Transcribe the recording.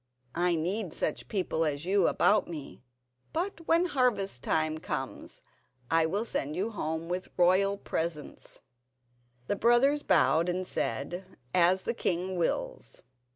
I need such people as you about me; but when harvest time comes I will send you home with royal presents." The brothers bowed and said: "As the king wills."